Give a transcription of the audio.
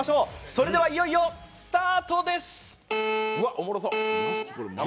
それではいよいよスタートです！